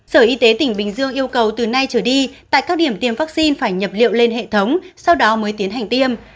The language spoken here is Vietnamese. sở y tế tỉnh bình dương yêu cầu từ nay trở đi tại các điểm tiêm vaccine phải nhập liệu lên hệ thống sau đó mới tiến hành tiêm